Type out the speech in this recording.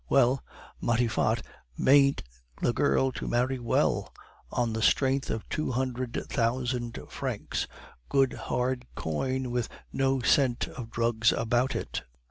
Well, Matifat meant the girl to marry well, on the strength of two hundred thousand francs, good hard coin with no scent of drugs about it."